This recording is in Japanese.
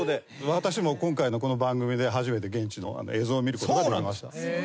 私も今回のこの番組で初めて現地の映像を見ることができました。